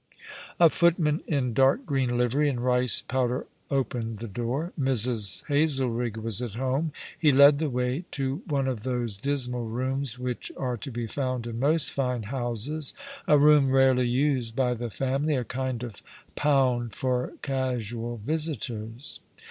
A footman in dark green livery and rice powder opened the door. Mrs. Hazelrigg was at home. He led the way to one of those dismal rooms which are to be found in most fino houses — a room rarely used by the family — a kind of pound for casual visitors.